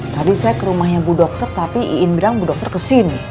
tadi saya ke rumahnya bu dokter tapi iin bilang bu dokter ke sini